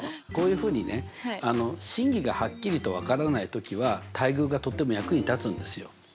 こういうふうにね真偽がはっきりと分からない時は対偶がとっても役に立つんですよ。